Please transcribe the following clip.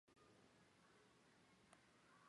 同时主机还拥有强大的容错能力。